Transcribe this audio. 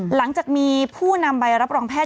หลังจากมีผู้นำใบรับรองแพทย